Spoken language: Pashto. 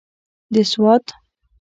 د سوات.